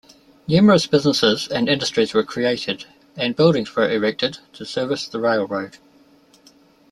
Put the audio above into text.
Numerous businesses and industries were created and buildings were erected to service the railroad.